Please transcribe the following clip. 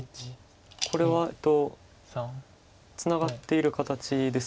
これはツナがっている形です。